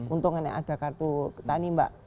untungannya ada kartu tani mbak